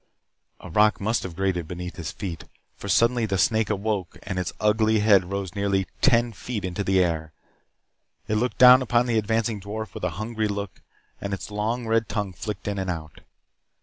A rock must have grated beneath his feet, for suddenly the snake awoke and its ugly head rose nearly ten feet into the air. It looked down upon the advancing dwarf with a hungry look and its long red tongue flicked in and out.